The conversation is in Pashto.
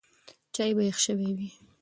چای به یخ شوی وي.